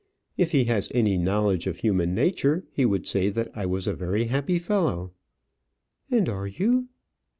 "If he has any knowledge of human nature, he would say that I was a very happy fellow." "And are you?"